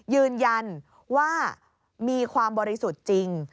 ยืนยันว่ามีความบริสุทธิ์จริง